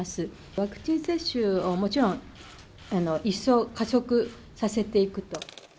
ワクチン接種をもちろん、一層加速させていくと。